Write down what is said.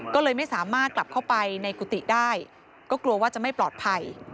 ก็เลยไม่สามารถกลับเข้าไปในกุฏิได้ก็กลัวว่าจะไม่ปลอดภัย